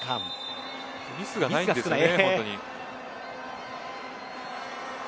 ミスがないんですね、本当に。